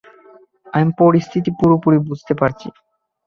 আমি পরিস্থিতি পুরোপুরি বুঝতে পারছি।